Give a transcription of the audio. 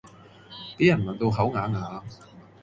比人問到口啞啞